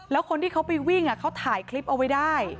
แล้วคนที่เขาไปวิ่งเขาถ่ายคลิปเอาไว้ได้